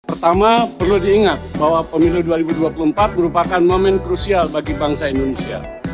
pertama perlu diingat bahwa pemilu dua ribu dua puluh empat merupakan momen krusial bagi bangsa indonesia